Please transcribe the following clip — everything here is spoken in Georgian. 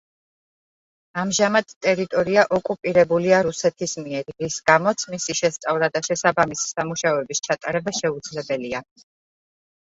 ამჟამად ტერიტორია ოკუპირებულია რუსეთის მიერ, რის გამოც მისი შესწავლა და შესაბამისი სამუშაოების ჩატარება შეუძლებელია.